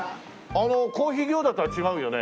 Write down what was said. あのコーヒー餃子とは違うよね？